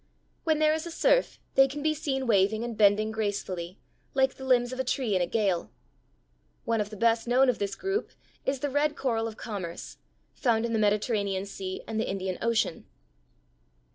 When there is a surf they can be seen waving and bending gracefully, like the limbs of a tree in a gale. One of the best known of this group is the red coral of commerce, found in the Mediterranean Sea and the Indian Ocean.